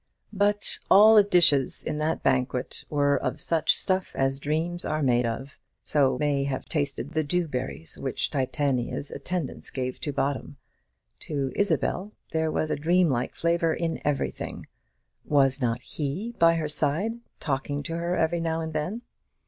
But all the dishes in that banquet were of "such stuff as dreams are made of." So may have tasted the dew berries which Titania's attendants gave to Bottom. To Isabel there was a dream like flavour in everything. Was not he by her side, talking to her every now and then?